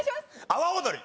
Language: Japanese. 阿波おどり。